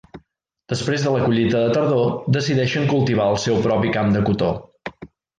Després de la collita de tardor, decideixen cultivar el seu propi camp de cotó.